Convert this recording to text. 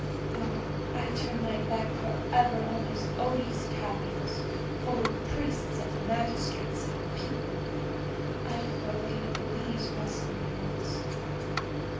Oh! I turn my back for ever on those odious capitals, full of priests, of magistrates, and of people. I prefer looking at the leaves rustling in the woods.